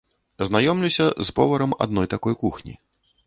Знаёмлюся з поварам адной такой кухні.